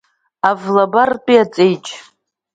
Авлабартәи аҵеиџь…